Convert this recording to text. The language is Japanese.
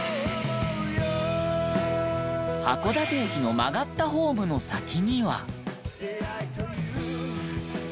函館駅の曲がったホームの先には。